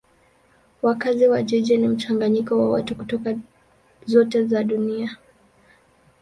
Wakazi wa jiji ni mchanganyiko wa watu kutoka zote za dunia.